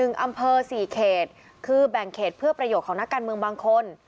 อำเภอ๔เขตคือแบ่งเขตเพื่อประโยชน์ของนักการเมืองบางคน